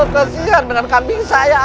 kesian menangkan bing saya